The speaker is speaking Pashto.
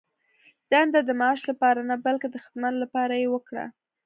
دنده د معاش لپاره نه، بلکې د خدمت لپاره یې وکړه.